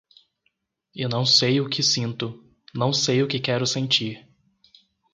E não sei o que sinto, não sei o que quero sentir